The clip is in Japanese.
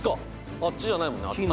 あっちじゃないもんね」